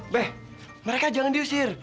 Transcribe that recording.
be mereka jangan diusir